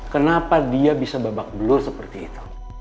kenapa dia bisa babak belur seperti itu